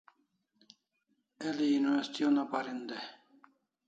El'i university una parin dai